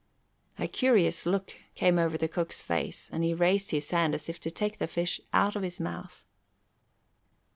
A curious look came over the cook's face and he raised his hand as if to take the fish out of his mouth.